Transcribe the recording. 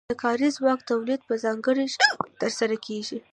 د کاري ځواک تولید په ځانګړي شکل ترسره کیږي.